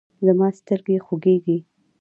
زما سترګې خوږیږي